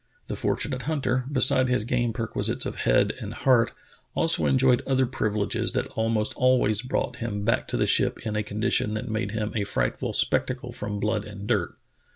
The fortunate hunter, besides his game per quisites of head and heart, also enjoyed other privileges that almost always brought him back to the ship in a condition that made him a frightful spectacle from blood and dirt.